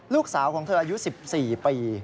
ลูกสาวของเธออายุ๑๔ปี